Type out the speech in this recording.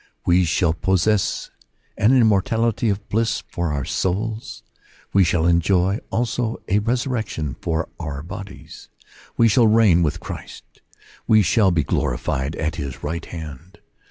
We shall possess an immortality of bliss for our souls ; we shall enjoy also a resurrection for our bodies : we shall reign with Christ ; we shall be glorified at his right hand.